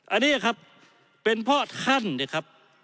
อันนี้ครับเป็นเพราะท่านเนี่ยครับ